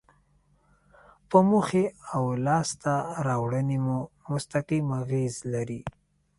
په موخې او لاسته راوړنې مو مستقیم اغیز لري.